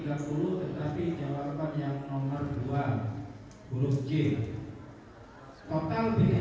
yang berbicara banyak mengenai paket paket ini